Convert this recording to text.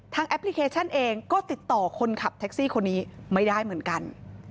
แอปพลิเคชันเองก็ติดต่อคนขับแท็กซี่คนนี้ไม่ได้เหมือนกัน